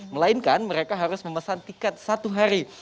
melainkan mereka harus memesan tiket satu hari